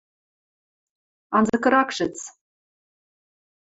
— Анзыкырак шӹц.